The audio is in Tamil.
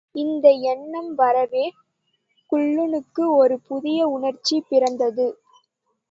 இந்த எண்ணம் வரவே குள்ளனுக்கு ஒரு புதிய உணர்ச்சி பிறந்தது.